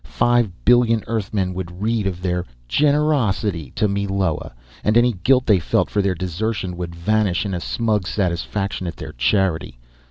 Five billion Earthmen would read of their "generosity" to Meloa, and any guilt they felt for their desertion would vanish in a smug satisfaction at their charity.